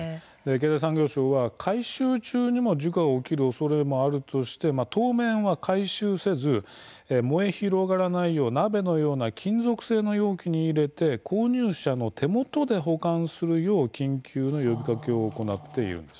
経済産業省は回収中にも事故が起きるおそれがあるとして当面は回収をせず燃え広がらないよう鍋のような金属性の容器に入れて購入者の手元で保管するよう緊急の呼びかけを行っているんです。